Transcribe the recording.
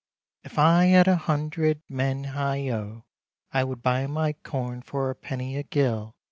"* If I had a hundred men, higho, I would buy my corn for a penny a gill.